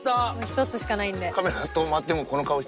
１つしかないんで。